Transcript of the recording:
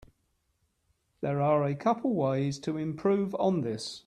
There are a couple ways to improve on this.